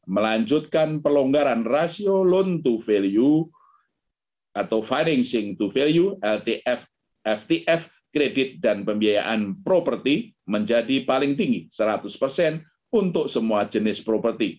melanjutkan pelonggaran rasio loan to value atau financing to value ldftf kredit dan pembiayaan properti menjadi paling tinggi seratus persen untuk semua jenis properti